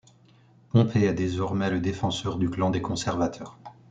Pompée est désormais le défenseur du clan des conservateurs.